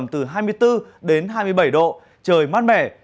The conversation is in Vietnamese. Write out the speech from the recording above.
trời mát mẻ